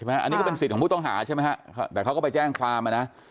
อันนี้เป็นสิทธิ์ของผู้ต้องหาแต่เขาก็ไปแจ้งความนะ